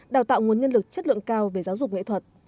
đào tạo nguồn nhân lực chất lượng cao về giáo dục nghệ thuật